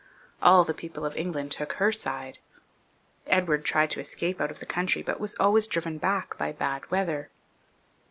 AU the people of England took her side. Edward tried to escape out of the country, but was always driven back by bad weather.